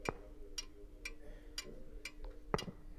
তিনি শেখা এবং জ্ঞান আহরণকে মানুষের খাদ্য-পরিপাকের সাথে তুলনা করেন।